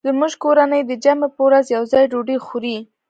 زموږ کورنۍ د جمعې په ورځ یو ځای ډوډۍ خوري